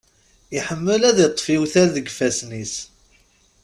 Iḥemmel ad iṭṭef iwtal deg ifassen-is.